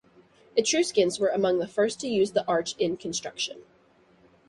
Etruscans were among the first to use the arch in construction.